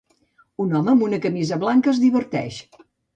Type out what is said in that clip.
Un home amb una camisa blanca es diverteix.